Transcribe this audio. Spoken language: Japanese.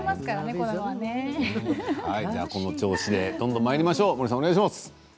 この調子でどんどんまいりましょう。